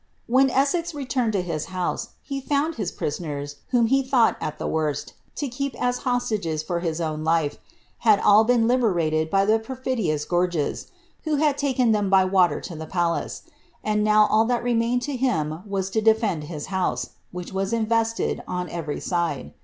When Essex returned to his house, he found his prisonera, whom he thought, at the wont, to keep as hostages for his own life, had all been liberated by the perfidious Gorges, who had taken them by water to the palace ; and now all that remained to him was to defend his house, > Gsmden. * Lingard'i note ; Winwood. * Camden. * Lingard. 300 ELIZABETB. which was invested on every side.